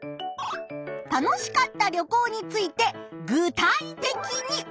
楽しかった旅行について具体的に教えて。